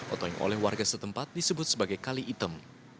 atau yang oleh warga setempat disebut sebagai kali hitam